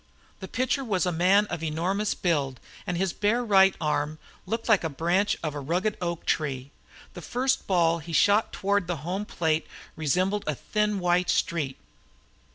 The pitcher was a man of enormous build and his bared right arm looked like a branch of a rugged oak tree. The first ball he shot toward the home plate resembled a thin white streak.